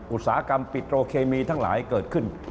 อุตสาหกรรมปิโตรเคมีทั้งหลายเกิดขึ้น